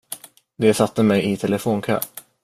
De satte mig i telefonkö.